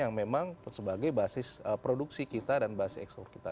yang memang sebagai basis produksi kita dan basis ekspor kita